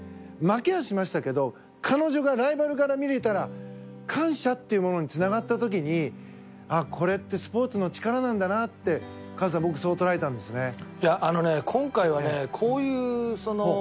負けはしましたけど彼女がライバルから見てたら感謝っていうものにつながった時にこれってスポーツの力なんだなってかずさん僕、そう捉えたんですね。